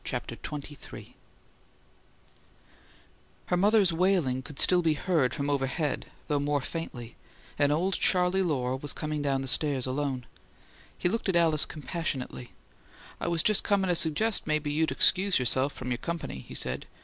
CHAPTER XXIII Her mother's wailing could still be heard from overhead, though more faintly; and old Charley Lohr was coming down the stairs alone. He looked at Alice compassionately. "I was just comin' to suggest maybe you'd excuse yourself from your company," he said.